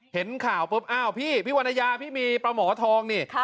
เห็นข่าวปุ๊บอ้าวพี่พี่วรรณยาพี่มีปลาหมอทองนี่